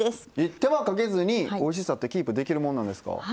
えっ手間かけずにおいしさってキープできるもんなんですか？